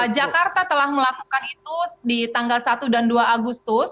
jakarta telah melakukan itu di tanggal satu dan dua agustus